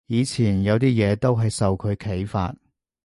我以前有啲嘢都係受佢啓發